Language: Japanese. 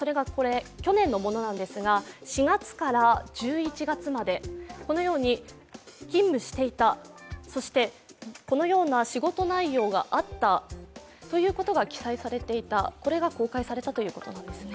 去年のものなんですが、４月から１１月までこのように勤務していた、そしてこのような仕事内容があったということが記載されていた、これが公開されたということなんですね。